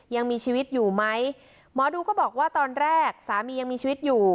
ยังมีชีวิตอยู่ไหมหมอดูก็บอกว่าตอนแรกสามียังมีชีวิตอยู่